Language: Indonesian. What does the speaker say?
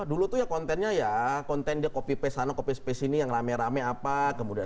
dulu itu ya kontennya ya konten dia copy paste sana copy paste sini yang rame rame apa kemudian